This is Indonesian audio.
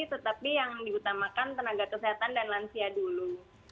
tetapi yang diutamakan tenaga kesehatan dan lansia dulu